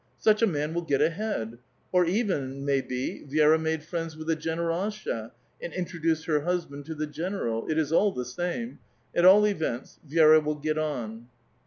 8uch a man will get ahead ! Or even, may be, Vi^ra made friends with the generdlsha^ and introduced her husband to the general ; it is all the same. At all events, Vi^ra will get on.